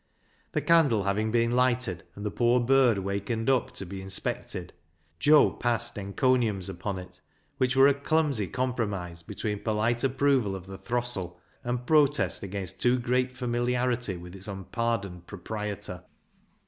The candle having been lighted, and the poor bird wakened up to be inspected, Joe passed encomiums upon it, which were a clumsy compromise between polite approval of the throstle and protest against too great familiarity with its un pardoned proprietor.